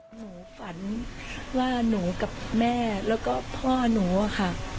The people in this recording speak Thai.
ฝันว่าหนูกับแม่แล้วก็พ่อหนูอะค่ะ